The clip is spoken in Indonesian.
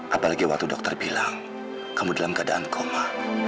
apalagi waktu dokter bilang kamu dalam keadaan koma